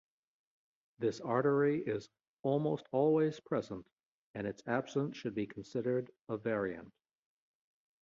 This artery is almost always present and its absence should be considered a variant.